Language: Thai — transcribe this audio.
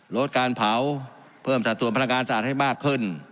ลดการเผาเพิ่มสัดส่วนพลังงานสะอาดให้มากขึ้น